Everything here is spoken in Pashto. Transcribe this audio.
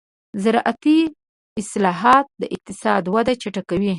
زراعتي اصلاحات د اقتصاد وده چټکوي.